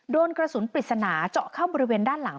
โดนกระสุนปริศนาเจาะเข้าบริเวณด้านหลัง